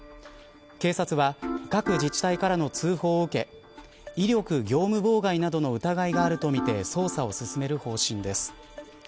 警察は各自治体からの通報を受け威力業務妨害などの疑いがあるとみて捜査を進める方針です。